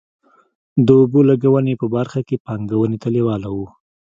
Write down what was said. د اوبو لګونې په برخه کې پانګونې ته لېواله وو.